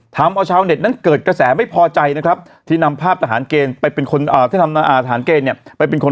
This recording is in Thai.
ถามว่าชาวเน็ตนั้นเกิดกระแสไม่พอใจนะครับที่นำภาพทหารเกณฑ์ไปเป็นคน